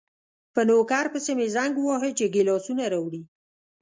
په نوکر پسې مې زنګ وواهه چې ګیلاسونه راوړي.